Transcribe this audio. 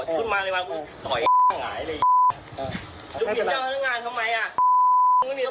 ไปร้องพักเนี่ยฮะหรือผมไม่ได้ส่งเนี่ยฮะ